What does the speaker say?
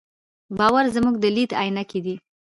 باور زموږ د لید عینکې دي.